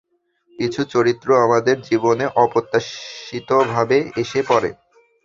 কিছু চরিত্র আমাদের জীবনে অপ্রত্যাশিতভাবে এসে পড়ে।